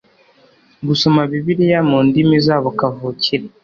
gusoma bibiliya mu ndimi zabo kavukire